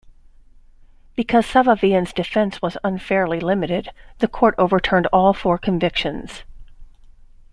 Because Safavian's defense was unfairly limited, the court overturned all four convictions.